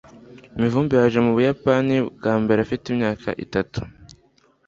Mivumbi yaje mu Buyapani bwa mbere afite imyaka itatu.